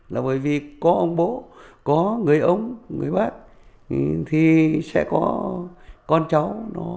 là bởi vì có ông bố có người ông người bác thì sẽ có con cháu